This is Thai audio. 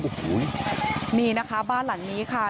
โอ้โหนี่นะคะบ้านหลังนี้ค่ะ